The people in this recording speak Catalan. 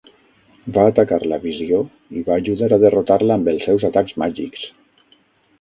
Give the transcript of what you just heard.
Va atacar la Visió i va ajudar a derrotar-la amb els seus atacs màgics.